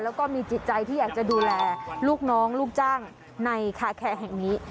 แล้วก็มีจิตใจที่อยากจะดูแลลูกน้องลูกจ้างในคาแคร์แห่งนี้